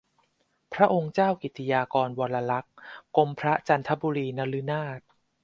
พระองค์เจ้ากิติยากรวรลักษณ์ กรมพระจันทบุรีนฤนาถ